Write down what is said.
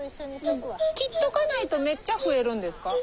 切っとかないとめっちゃ増えるんですか？